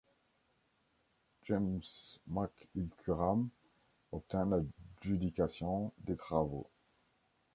James McIlquham obtint l'adjudication des travaux.